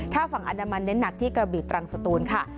ถ้าฝั่งอันดามันเน้นหนักที่กระบีตรังสตูนค่ะ